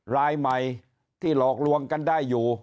รายใหม่ที่หลอกลวงกันได้อยู่